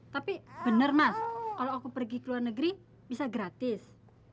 tapi benar mas kalau aku pergi ke luar negeri bisa gratis